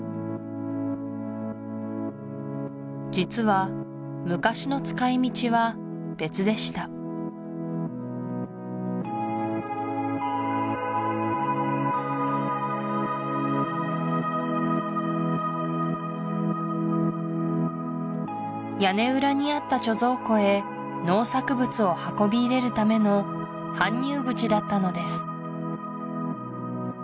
実は昔の使いみちは別でした屋根裏にあった貯蔵庫へ農作物を運び入れるための搬入口だったのです